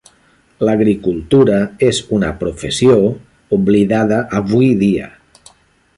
L'agricultura és una professió oblidada avui dia.